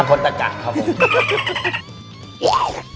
คนตะกะครับผม